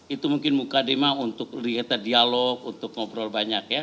itu mungkin mukaddimah untuk diketah dialog untuk ngobrol banyak ya